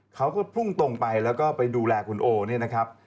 เขาก็พุ่งตรงไปแล้วก็ไปดูแลคุณโอเนี่ยนะครับ